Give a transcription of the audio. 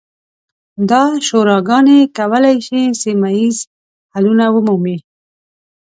دا شوراګانې کولی شي سیمه ییز حلونه ومومي.